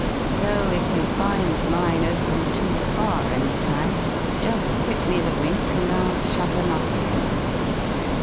So if you find mine open too far, any time, just tip me the wink and I'll shut 'em up again."